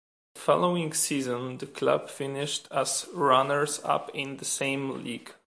The following season the club finished as runners-up in the same league.